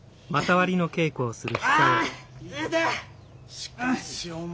しかしお前